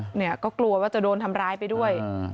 เนี่ยก็กลัวว่าจะโดนทำร้ายไปด้วย